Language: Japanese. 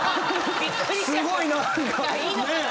すごい何かねっ！